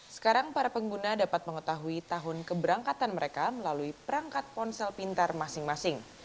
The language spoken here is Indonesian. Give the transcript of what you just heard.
sekarang para pengguna dapat mengetahui tahun keberangkatan mereka melalui perangkat ponsel pintar masing masing